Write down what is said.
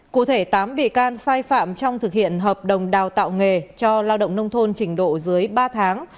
cụ thể tám bị can sai phạm trong thực hiện hợp đồng đào tạo nghề cho lao động nông thôn trình độ dưới ba tháng